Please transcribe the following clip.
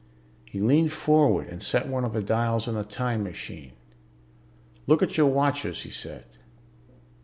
He leaned forward and set one of the dials on the time machine. "Look at your watches," he said.